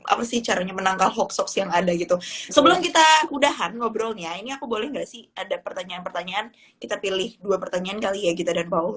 apa sih caranya menangkal hoax hoax yang ada gitu sebelum kita udahan ngobrolnya ini aku boleh nggak sih ada pertanyaan pertanyaan kita pilih dua pertanyaan kali ya gita dan paul